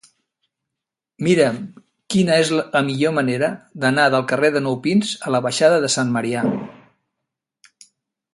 Mira'm quina és la millor manera d'anar del carrer de Nou Pins a la baixada de Sant Marià.